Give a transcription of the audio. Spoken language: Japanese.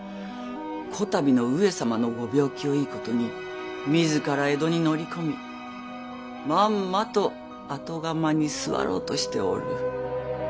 こたびの上様のご病気をいいことにみずから江戸に乗り込みまんまと後釜に座ろうとしておる。